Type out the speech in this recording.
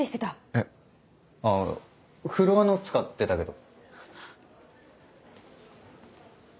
えっあぁフロアの使ってたけど。